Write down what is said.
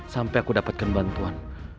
sampai aku dapatkan bantuan